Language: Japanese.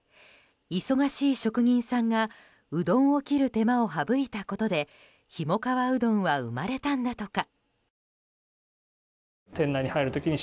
忙しい職人さんがうどんを切る手間を省いたことでひもかわうどんは生まれたんだとか。